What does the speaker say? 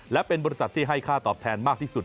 และเป็นบริษัทที่ให้ค่าตอบแทนมากที่สุด